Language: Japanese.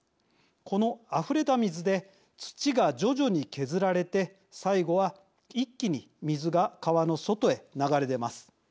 このあふれた水で土が徐々に削られて最後は一気に水が川の外へ流れ出ます。